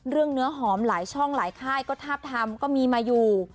เนื้อหอมหลายช่องหลายค่ายก็ทาบทำก็มีมาอยู่